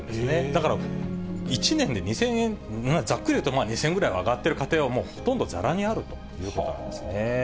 だから、１年で２０００円、ざっくり言うと２０００円ぐらいは上がっている家庭はもうほとんどざらにあるということなんですね。